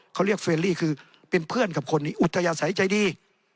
เขาเรียกเฟรลี่คือเป็นเพื่อนกับคนนี้อุทยาศัยใจดี